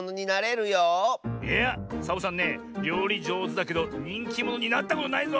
いやサボさんねりょうりじょうずだけどにんきものになったことないぞ。